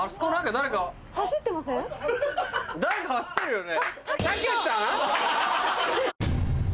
誰か走ってるよね？